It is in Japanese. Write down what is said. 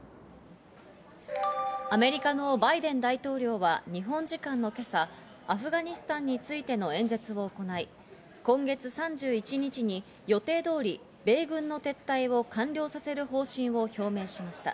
アメリカのバイデン大統領は日本時間の今朝、アフガニスタンについての演説を行い、今月３１日に予定通り米軍の撤退を完了させる方針を表明しました。